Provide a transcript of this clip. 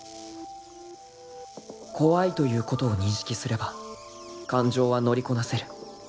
［怖いということを認識すれば感情は乗りこなせる］